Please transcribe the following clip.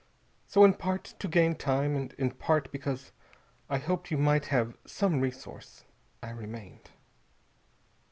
So, in part to gain time, and in part because I hoped you might have some resource, I remained."